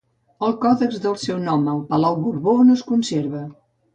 El còdex deu el seu nom al palau Borbó, on es conserva.